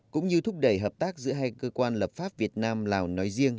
cũng như thúc đẩy hợp tác giữa hai cơ quan lập pháp việt nam lào nói riêng